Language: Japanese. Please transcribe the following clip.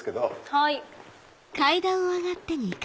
はい。